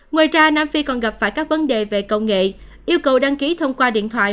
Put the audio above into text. ngoài ra nam phi còn gặp phải các vấn đề về công nghệ yêu cầu đăng ký thông qua điện thoại